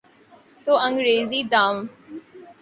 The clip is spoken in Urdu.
تو انگریزی دان۔